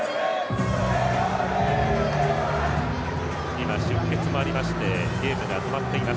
今、出血もありましてゲームが止まっています。